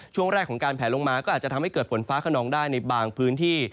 ช่วงแรกของการแผลลงมาก็อาจจะทำให้เกิดฝนฟ้าขนองได้ในบางพื้นที่